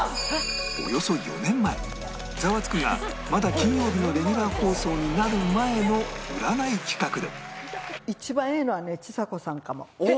およそ４年前『ザワつく！』がまだ金曜日のレギュラー放送になる前の占い企画でおおっ！